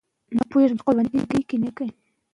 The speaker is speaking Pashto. موږ غواړو چې په هېواد کې یووالی راسي.